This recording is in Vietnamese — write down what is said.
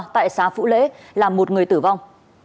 tại xã phũ lễ là một người tử vong